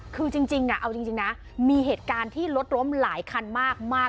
คือจริงเอาจริงนะมีเหตุการณ์ที่รถล้มหลายคันมาก